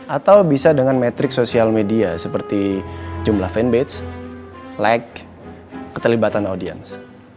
atau bisa dengan metrik sosial media seperti jumlah fanbage lag keterlibatan audiens